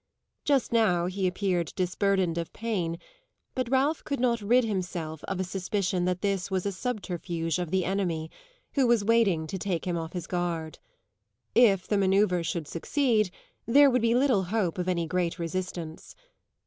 Just now he appeared disburdened of pain, but Ralph could not rid himself of a suspicion that this was a subterfuge of the enemy, who was waiting to take him off his guard. If the manoeuvre should succeed there would be little hope of any great resistance.